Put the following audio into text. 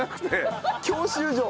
教習所？